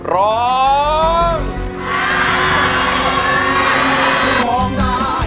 ร้อง